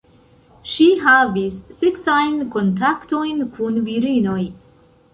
Ŝi havis seksajn kontaktojn kun virinoj.